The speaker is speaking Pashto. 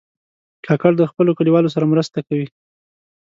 کاکړ د خپلو کلیوالو سره مرسته کوي.